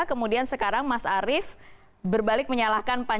kemudian sekarang mas arief berbalik menyalahkan pan